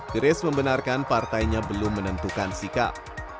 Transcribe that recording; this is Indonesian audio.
grace membenarkan partainya belum menentukan sikap